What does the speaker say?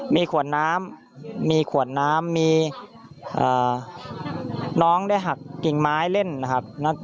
มีขวดน้ำมีขวดน้ำมีน้องได้หักกิ่งไม้เล่นนะครับ